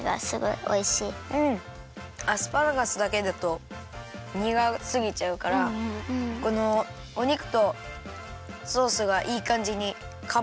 アスパラガスだけだとにがすぎちゃうからこのお肉とソースがいいかんじにカバーしてくれていいね。